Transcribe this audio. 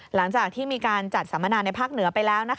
หลังจากที่มีการจัดสัมมนาในภาคเหนือไปแล้ว